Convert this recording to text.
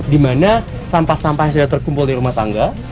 dimana sampah sampah yang sudah terkumpul di rumah tangga